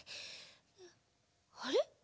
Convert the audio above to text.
あれ？